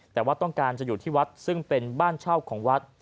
แต่ว่าต้องการจะอยู่ที่วัดซึ่งเป็นบ้านเช่าของวัด